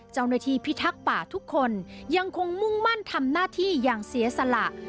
เจ้าหน้าที่พิทักษ์ป่าทุกคนยังคงมุ่งมั่นทำหน้าที่อย่างเสียสลัก